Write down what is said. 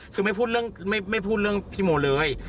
คือไม่พูดเรื่องพี่โมะเลย